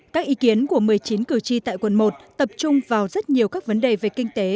các ý kiến của một mươi chín cử tri tại quận một tập trung vào rất nhiều các vấn đề về kinh tế